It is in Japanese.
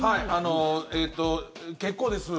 結構です。